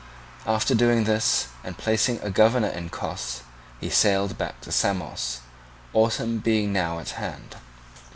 After doing this and placing a governor in Cos, he sailed back to Samos, autumn being now at hand.